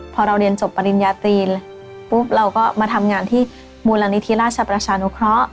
พอเราเรียนจบปริญญาตีนปุ๊บเราก็มาทำงานที่มูลนิธิราชประชานุเคราะห์